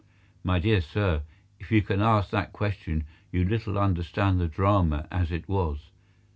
My dear sir, if you can ask that question you little understand the drama as it was.